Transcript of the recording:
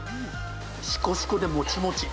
しこしこでもちもち。